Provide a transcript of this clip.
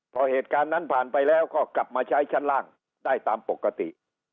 พอเหตุการณ์นั้นผ่านไปแล้วก็กลับมาใช้ชั้นล่างได้ตามปกติ